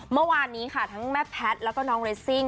เมื่อวานนี้ค่ะทั้งแม่แพทย์แล้วก็น้องเรสซิ่ง